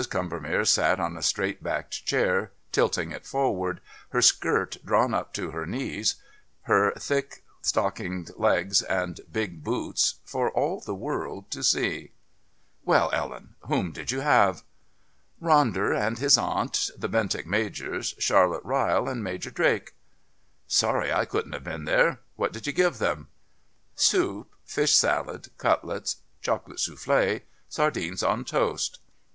Combermere sat on a straight backed chair, tilting it forward, her skirt drawn up to her knees, lier thick stockinged legs and big boots for all the world to see. "Well, Ellen, whom did you have?" "Ronder and his aunt, the Bentinck Majors, Charlotte Ryle and Major Drake." "Sorry I couldn't have been there. What did you give them?" "Soup, fish salad, cutlets, chocolate soufflé, sardines on toast."